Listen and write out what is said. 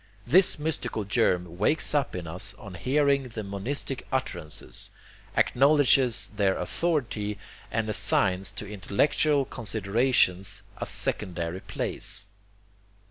This mystical germ wakes up in us on hearing the monistic utterances, acknowledges their authority, and assigns to intellectual considerations a secondary place.